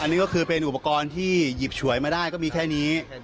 นี่ก็คือเป็นอุปกรณ์ที่หยิบฉวยมาได้ก็มีแค่นี้